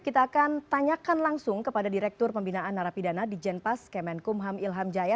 kita akan tanyakan langsung kepada direktur pembinaan narapidana di jenpas kemenkumham ilham jaya